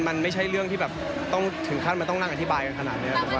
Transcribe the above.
มันไม่ใช้เรื่องที่แบบต้องถึงคลัดมันต้องนั่งอธิบายกันค่ะ